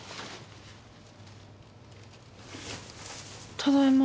ただいま。